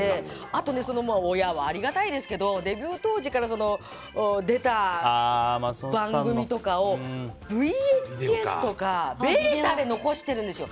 あと、親はありがたいですけどデビュー当時から出た番組とかをＶＨＳとかベータで残してるんですよ